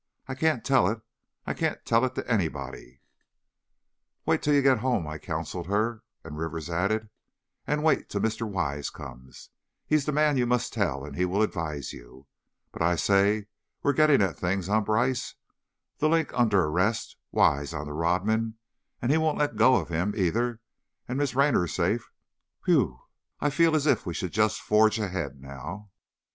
I can't tell it I can't tell it to anybody " "Wait till you get home," I counseled her, and Rivers added, "And wait till Mr. Wise comes. He's the man you must tell, and he will advise you. But, I say, we're getting at things, eh, Brice? 'The Link' under arrest, Wise onto Rodman, and he won't let go of him, either, and Miss Raynor safe, whew! I feel as if we should just forge ahead now!"